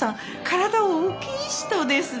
体大きい人ですね。